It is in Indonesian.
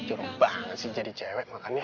curon banget sih jadi cewek makannya